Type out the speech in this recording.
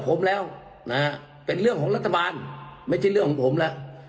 เป็นเรื่องของรัฐบาลไม่ใช่เรื่องของผมล่ะ